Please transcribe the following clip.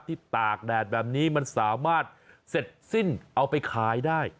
ตากแดดแบบนี้มันสามารถเสร็จสิ้นเอาไปขายได้